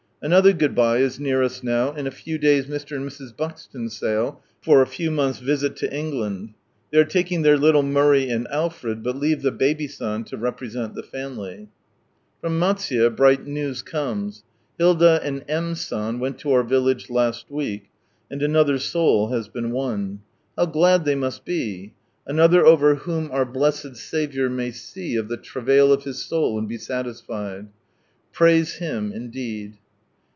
Another good bye is near us now, in a few days Mr. and Mrs. Buxton sail, for a few months' visit to England. They ate taking their little Murray and Alfred, but leave the Baby San, to represent the family. From Matsuye, bright news comes. Hilda and M. San went to our village last week, and another soul has been won. How glad they must be ! Another over whom our blessed Saviour may see of the travail of His soul and be satisfied. Praise Him indeed